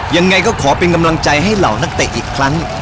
ยังไงก็ขอเป็นกำลังใจให้เหล่านักเตะอีกครั้ง